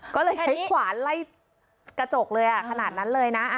ก็เลยใช้ขวานไล่กระจกเลยขนาดนั้นเลยนะ